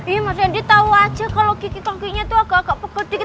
iya mas rendy tahu aja kalau kiki kakinya agak agak pekat dikit